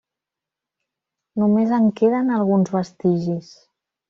Només en queden alguns vestigis.